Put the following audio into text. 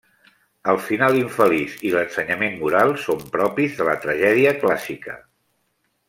El final infeliç i l'ensenyament moral són propis de la tragèdia clàssica.